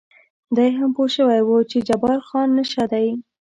دی هم پوه شوی و چې جبار خان نشه دی.